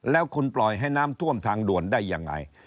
แล้วคุณปล่อยให้น้ำท่วมทางด่วนได้ยังไง